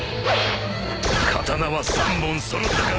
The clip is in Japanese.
刀は３本揃ったか？